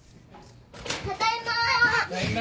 ただいま。